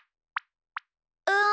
うん。